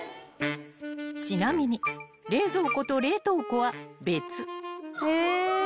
［ちなみに冷蔵庫と冷凍庫は別］